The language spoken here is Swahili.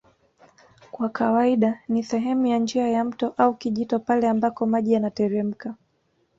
Kwa kawaida ni sehemu ya njia ya mto au kijito pale ambako maji yanateremka